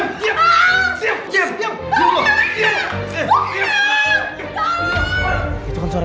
mereka menanggung kekuasaan kita